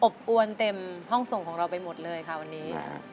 อบอวนเต็มห้องส่งของเราไปหมดเลยค่ะวันนี้